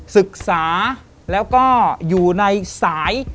ศึกษาแล้วก็อยู่ในสาย